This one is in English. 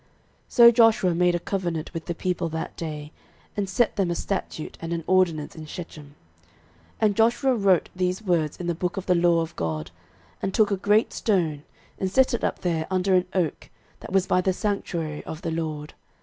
06:024:025 So Joshua made a covenant with the people that day, and set them a statute and an ordinance in Shechem. 06:024:026 And Joshua wrote these words in the book of the law of God, and took a great stone, and set it up there under an oak, that was by the sanctuary of the LORD.